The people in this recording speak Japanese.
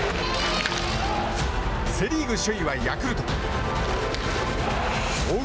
セ・リーグ首位はヤクルト追う